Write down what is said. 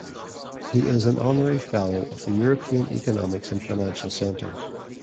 He is an Honorary Fellow of the European Economics and Financial Centre.